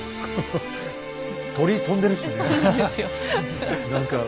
鳥飛んでるしね。